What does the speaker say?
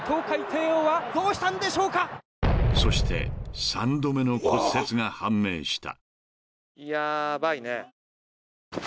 ［そして３度目の骨折が判明した］